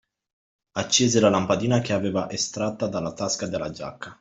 Accese la lampadina che aveva estratta dalla tasca della giacca.